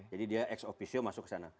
jadi dia ex officio masuk ke sana